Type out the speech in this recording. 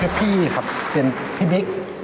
อันนี้พี่ครับเป็นพี่บิ๊ก